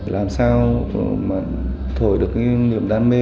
làm sao mà thổi được cái niềm đam mê